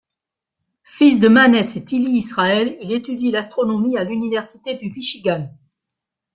Fils de Mannes et Tillie Israel, il étudie l'astronomie à l'Université du Michigan.